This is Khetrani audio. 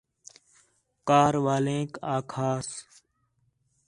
کار والینک آکھاس